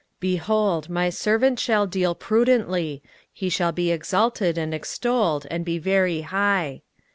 23:052:013 Behold, my servant shall deal prudently, he shall be exalted and extolled, and be very high.